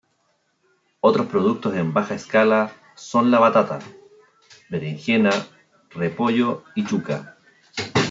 Otros productos en baja escala son la batata, berenjena, repollo y yuca.